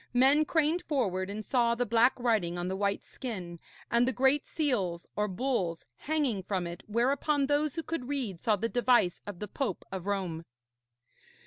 Men craned forward and saw the black writing on the white skin, and the great seals, or bulls, hanging from it whereon those who could read saw the device of the Pope of Rome.